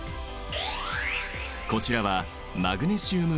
こちらはマグネシウム合金。